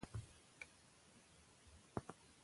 خدای مهربان دی.